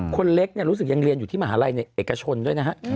คนเล็กรู้สึกยังเรียนอยู่ที่มหาลัยในเอกชนด้วยนะฮะ